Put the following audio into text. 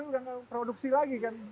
tapi produksi lagi kan